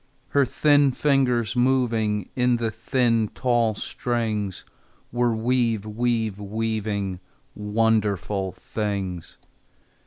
Her thin fingers, moving In the thin, tall strings, Were weav weav weaving Wonderful things.